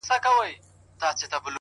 És una alegria pírrica.